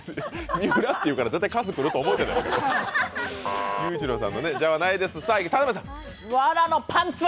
三浦って言うから、絶対カズ来ると思うじゃないですか。